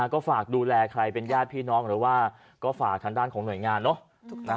ก็ฝากดูแลใครเป็นญาติพี่น้องหรือว่าก็ฝากทางด้านของหน่วยงานเนอะ